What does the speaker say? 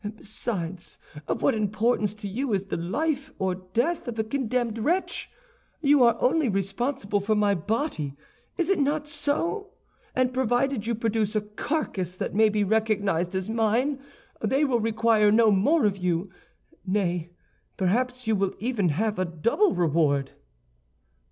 Besides, of what importance to you is the life or death of a condemned wretch? You are only responsible for my body, is it not so? And provided you produce a carcass that may be recognized as mine, they will require no more of you; nay, perhaps you will even have a double reward."